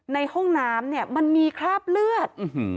ในห้องน้ำเนี่ยมันมีคราบเลือด